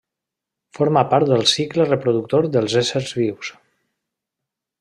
Forma part del cicle reproductor dels éssers vius.